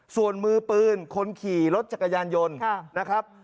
ส่วนมือปืนคนขี่รถจักรยานยนต์นะครับ